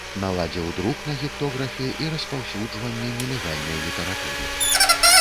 Наладзіў друк на гектографе і распаўсюджванне нелегальнай літаратуры.